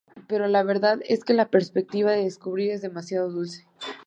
Pero la verdad es que la perspectiva de descubrir es demasiado "dulce.